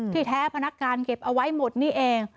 แท้พนักงานเก็บเอาไว้หมดนี่เอง